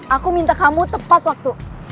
aku minta kamu tepat waktu